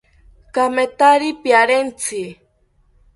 Kamethari piarentzi